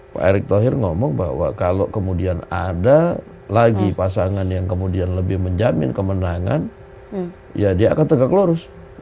pak erick thohir ngomong bahwa kalau kemudian ada lagi pasangan yang kemudian lebih menjamin kemenangan ya dia akan tegak lurus